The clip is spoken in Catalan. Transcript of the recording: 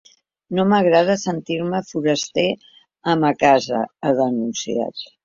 No m’agrada sentir-me foraster a ma casa, ha denunciat.